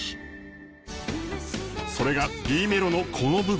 それがＢメロのこの部分。